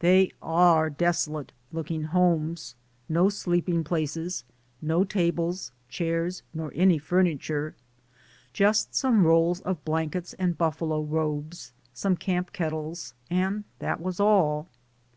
They are desolate looking homes; no sleeping places, no tables, chairs nor any furniture, just some rolls of blankets and buffalo robes, some camp kettles, and that was all.